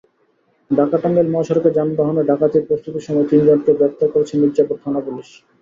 ঢাকা-টাঙ্গাইল মহাসড়কে যানবাহনে ডাকাতির প্রস্তুতির সময় তিনজনকে গ্রেপ্তার করেছে মির্জাপুর থানার পুলিশ।